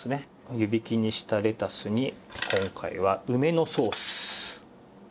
湯引きにしたレタスに今回は梅のソース。